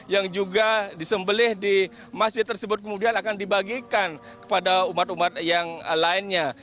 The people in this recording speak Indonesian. yang juga disembelih di masjid tersebut kemudian akan dibagikan kepada umat umat yang lainnya